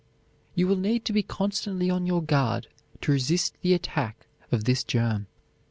You will need to be constantly on your guard to resist the attack of this germ.